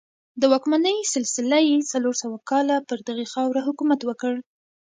د واکمنۍ سلسله یې څلور سوه کاله پر دغې خاوره حکومت وکړ